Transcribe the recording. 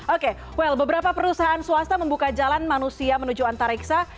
oke wel beberapa perusahaan swasta membuka jalan manusia menuju antariksa